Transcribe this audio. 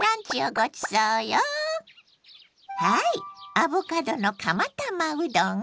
アボカドの釜玉うどん。